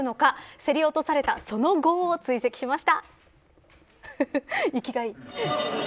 競り落とされたその後を追跡しました。